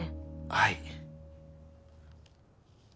はい。